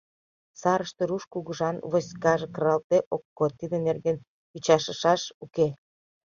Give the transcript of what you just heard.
— Сарыште руш кугыжан войскаже кыралтде ок код, тиде нерген ӱчашышаш уке.